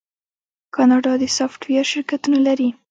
کاناډا د سافټویر شرکتونه لري.